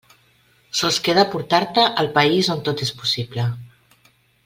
Sols queda portar-te al País on Tot és Possible.